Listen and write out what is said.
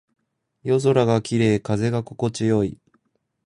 夜空が綺麗。風が心地よい。